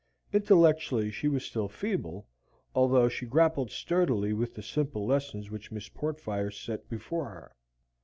Intellectually she was still feeble, although she grappled sturdily with the simple lessons which Miss Portfire set before her.